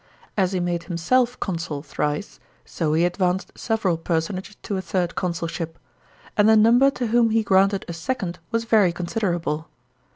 As he made himself consul thrice, so he advanced several personages to a third consulship ; and the number to whom he granted a second was very considerable.